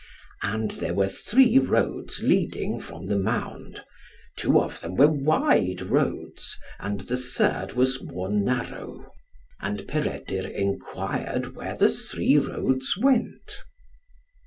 And there were three roads leading from the mound; two of them were wide roads, and the third was more narrow. And Peredur enquired where the three roads went.